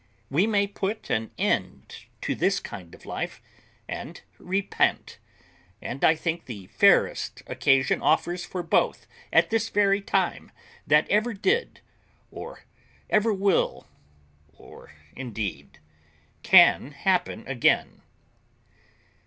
We may put an end to this kind of life, and repent; and I think the fairest occasion offers for both, at this very time, that ever did, or ever will, or, indeed, can happen again."